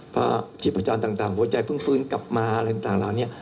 เพราะชีพจรต่างหัวใจเพิ่งฟื้นกลับมาอะไรต่างแล้ว